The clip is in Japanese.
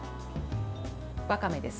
わかめです。